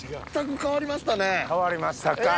変わりましたか。